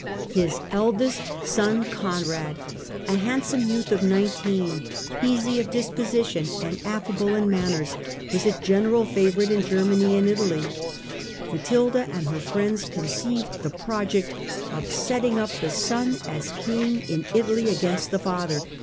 His eldest son Conrad, Beroitof a haudsome youth of nineteen, easy of dis conrad, 1092 positiou and affable in manners, was a general favourite in Germany and Italy. Matilda and her friends conceived the project of setting np the son as king in Italy against the father.